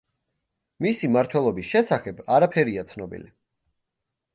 მისი მმართველობის შესახებ არაფერია ცნობილი.